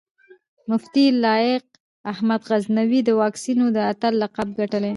مفتي لائق احمد غزنوي د واکسينو د اتل لقب ګټلی